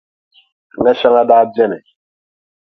Ŋa shɛŋa daa beni,